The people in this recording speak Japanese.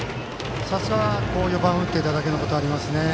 さすが、４番を打っていただけのことはあります。